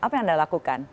apa yang anda lakukan